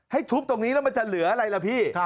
ทุบตรงนี้แล้วมันจะเหลืออะไรล่ะพี่